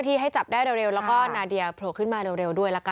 ต้องโตขึ้นแน่